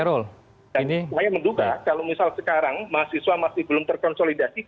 dan saya menduga kalau misal sekarang mahasiswa masih belum terkonsolidasi